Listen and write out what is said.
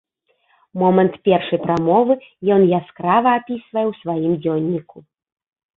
Момант першай прамовы ён яскрава апісвае ў сваім дзённіку.